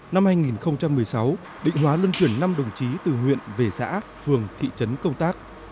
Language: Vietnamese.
năm hai nghìn một mươi sáu định hóa luân chuyển năm đồng chí từ huyện về xã phường thị trấn công tác